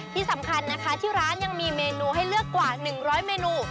ที่สำคัญนะคะที่ร้านยังมีเมนูให้เลือกกว่า๑๐๐เมนู